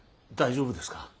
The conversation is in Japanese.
大丈夫ですか。